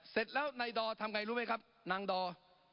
เสร็จแล้วนายดอทำไงรู้ไหมครับนางดอด